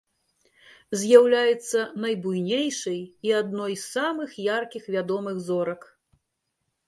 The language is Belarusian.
З'яўляецца найбуйнейшай і адной з самых яркіх вядомых зорак.